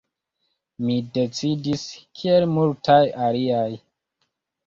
Mi decidis, kiel multaj aliaj.